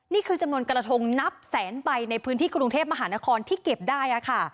นี่คือจำนวนกระทงนับแสนใบในพื้นที่กรุงเทพมหานครที่เก็บได้ค่ะ